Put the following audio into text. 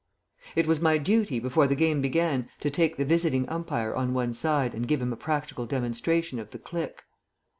It was my duty before the game began to take the visiting umpire on one side and give him a practical demonstration of the click